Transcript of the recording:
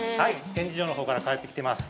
展示場のほうから帰ってきてます。